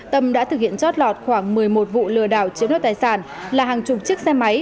tâm đã thực hiện chót lọt khoảng một mươi một vụ lừa đảo chiếm đoạt tài sản là hàng chục chiếc xe máy